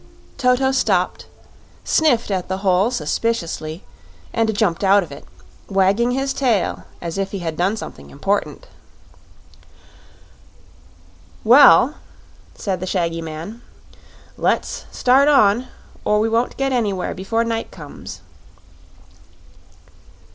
Toto stopped, sniffed at the hole suspiciously, and jumped out of it, wagging his tail as if he had done something important. "Well," said the shaggy man, "let's start on, or we won't get anywhere before night comes."